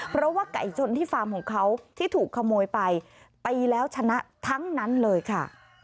เพราะว่าไก่ชนที่ฟาร์มของเขาที่ถูกขโมยไปตีแล้วชนะทั้งนั้นเลยค่ะ